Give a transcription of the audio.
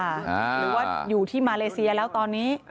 หรือว่าอยู่ที่มาเลเซียแล้วตอนนี้